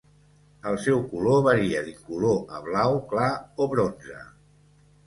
El seu color varia d'incolor a blau clar o bronze.